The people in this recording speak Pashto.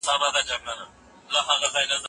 درناوی مهم دی.